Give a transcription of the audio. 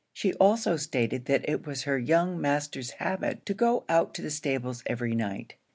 She also stated that it was her young master's habit to go out to the stables every night.